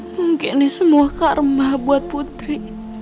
mungkin ini semua karma buat putri